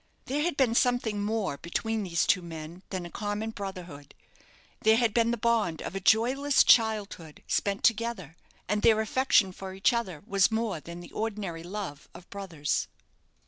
There had been something more between these two men than a common brotherhood: there had been the bond of a joyless childhood spent together, and their affection for each other was more than the ordinary love of brothers.